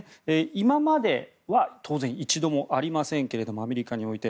今までは当然一度もありませんけどもアメリカにおいて。